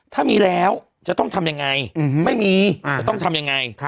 ถ้ามีแล้วจะต้องทำยังไงไม่มีจะต้องทำยังไง